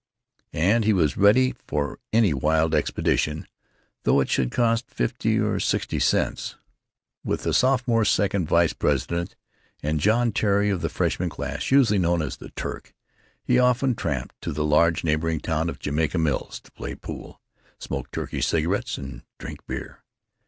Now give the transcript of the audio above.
And he was ready for any wild expedition, though it should cost fifty or sixty cents. With the sophomore second vice president and John Terry of the freshman class (usually known as "the Turk") he often tramped to the large neighboring town of Jamaica Mills to play pool, smoke Turkish cigarettes, and drink beer.